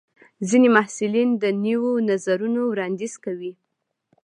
ځینې محصلین د نویو نظرونو وړاندیز کوي.